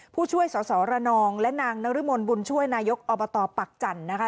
ผู้ช่วยสสระนองและนางนรมนบุญช่วยนายกอบตปักจันทร์นะคะ